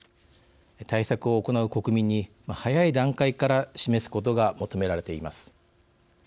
対策を行う国民に早い段階から示すことが求められています。